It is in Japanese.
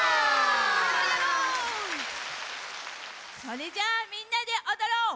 それじゃあみんなでおどろう！